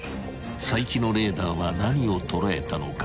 ［齋木のレーダーは何を捉えたのか］